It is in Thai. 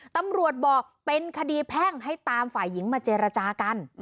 ตำรวจบอกเป็นคดีแพ่งให้ตามฝ่ายหญิงมาเจรจากัน